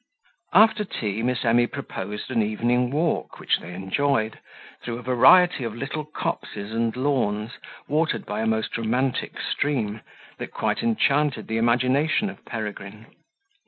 After tea, Miss Emy proposed an evening walk, which they enjoyed through a variety of little copses and lawns, watered by a most romantic stream, that quite enchanted the imagination of Peregrine.